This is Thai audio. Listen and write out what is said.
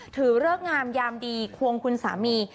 เริกงามยามดีควงคุณสามี